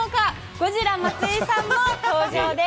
ゴジラ松井さんも登場です。